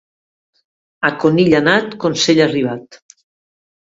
A conill anat, consell arribat.